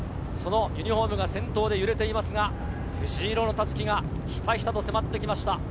そのユニホームが先頭で揺れていますが藤色の襷がひたひたと迫ってきました。